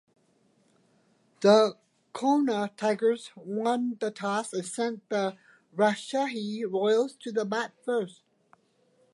The Khulna Tigers won the toss and sent the Rajshahi Royals to bat first.